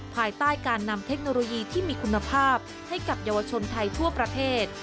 ภายใต้การนำเทคโนโลยีที่มีคุณภาพให้กับเยาวชนไทยทั่วประเทศ